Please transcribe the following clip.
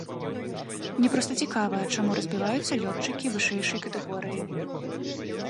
Мне проста цікава, чаму разбіваюцца лётчыкі вышэйшай катэгорыі?